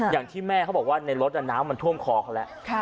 อย่างที่แม่เขาบอกว่าในรถน้ำมันท่วมคอเขาแล้ว